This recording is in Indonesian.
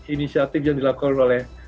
inisiatif yang dilakukan oleh